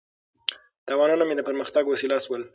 تاوانونه مې د پرمختګ وسیله شول.